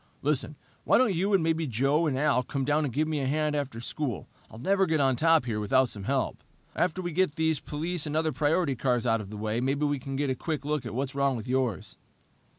Listen, why don't you and maybe Joe and Al come down and give me a hand after school? I'll never get on top here without some help. After we get these police and other priority cars out of the way, maybe we can get a quick look at what's wrong with yours."